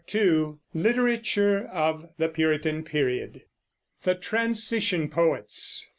LITERATURE OF THE PURITAN PERIOD THE TRANSITION POETS.